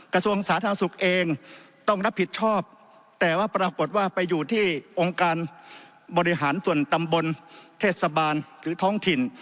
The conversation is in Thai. กระทรวงสาธารณสุขเองต้องรับผิดชอบแต่ว่าปรากฏว่าไปอยู่ที่องค์การบริหารส่วนตำบลเทศบาลหรือท้องถิ่น